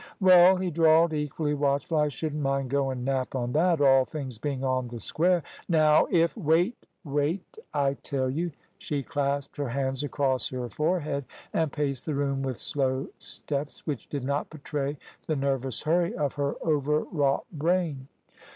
"Well," he drawled, equally watchful; "I shouldn't mind goin' nap on that, all things being on th' square. Naow if " "Wait! Wait, I tell you!" She clasped her hands across her forehead and paced the room with slow steps, which did not betray the nervous hurry of her overwrought brain.